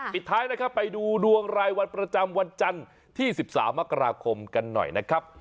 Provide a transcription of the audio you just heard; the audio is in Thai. ปิดท้ายนะครับไปดูดวงรายวันประจำวันจันทร์ที่๑๓มกราคมกันหน่อยนะครับ